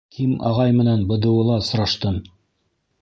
— Ким ағай менән БДУ-ла осраштым.